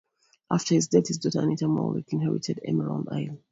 After his death, his daughter Anita Maulick inherited Emerald Isle.